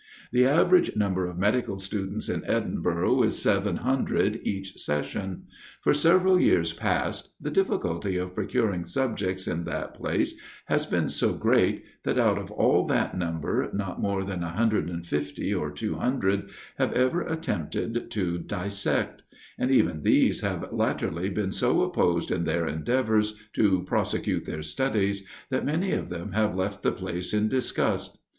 The average number of medical students in Edinburgh is 700 each session. For several years past the difficulty of procuring subjects in that place has been so great, that out of all that number, not more than 150 or 200 have ever attempted to dissect; and even these have latterly been so opposed in their endeavours to prosecute their studies, that many of them have left the place in disgust.